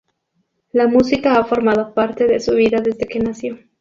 La música ha formado parte de su vida desde que nació.